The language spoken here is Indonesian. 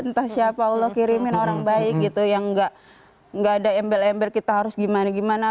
entah siapa allah kirimin orang baik gitu yang gak ada embel embel kita harus gimana gimana